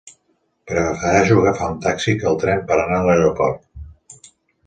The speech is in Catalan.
Prefereixo agafar un taxi que el tren per anar a l'aeroport.